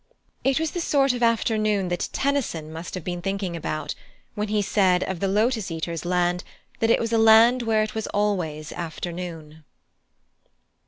It was the sort of afternoon that Tennyson must have been thinking about, when he said of the Lotos Eaters' land that it was a land where it was always afternoon.